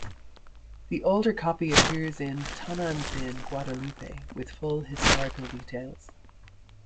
The older copy appears in "Tonanzin Guadalupe" with full historical details.